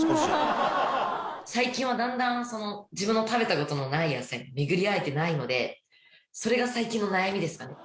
最近はだんだん自分の食べた事のない野菜に巡り会えてないのでそれが最近の悩みですかね。